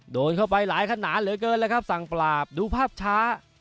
โดนเข้าไปหลายขนาดเหลือเกินเลยครับสั่งปราบดูภาพช้า